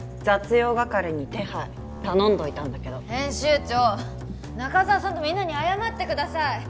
雑用係に手配頼んどいたんだけど編集長中沢さんとみんなに謝ってください